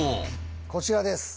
こちらです。